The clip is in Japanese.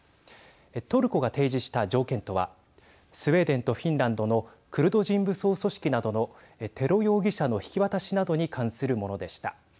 トルコが提示した条件とはスウェーデンとフィンランドのクルド人武装組織などのテロ容疑者の引き渡しなどに関するものでした。